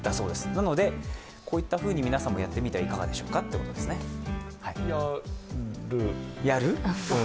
なのでこういったふうに皆さんもやってみたらいかがでしょうかということですやる？